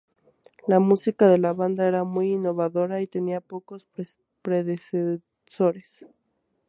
La música de la banda era muy innovadora y tenía pocos predecesores.